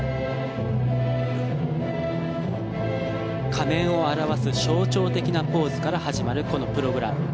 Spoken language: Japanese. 仮面を表す象徴的なポーズから始まるこのプログラム。